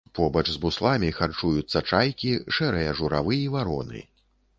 Побач з бусламі харчуюцца чайкі, шэрыя журавы і вароны.